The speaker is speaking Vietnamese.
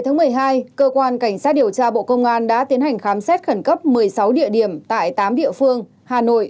ngày một mươi hai cơ quan cảnh sát điều tra bộ công an đã tiến hành khám xét khẩn cấp một mươi sáu địa điểm tại tám địa phương hà nội